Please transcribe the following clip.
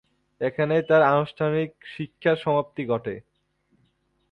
এখানেই তার আনুষ্ঠানিক শিক্ষার সমাপ্তি ঘটে।